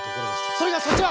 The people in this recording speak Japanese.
それがそちら！